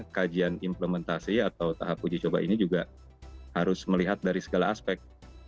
kajian implementasi atau tahap uji coba ini juga harus melihat dari segala aspek